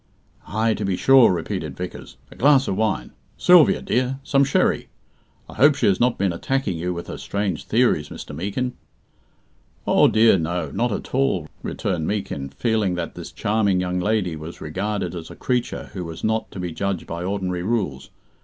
"Ay, to be sure," repeated Vickers. "A glass of wine. Sylvia, dear, some sherry. I hope she has not been attacking you with her strange theories, Mr. Meekin." "Oh, dear, no; not at all," returned Meekin, feeling that this charming young lady was regarded as a creature who was not to be judged by ordinary rules.